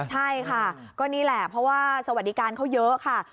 ใช่ค่ะก็นี่แหละเพราะว่าสวัสดิการเขาเยอะค่ะ